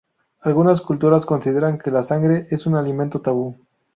Algunas culturas consideran que la sangre es un alimento tabú.